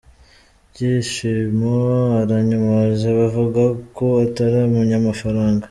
Byishimo aranyomoza abavuga ko atari umunyamafaranga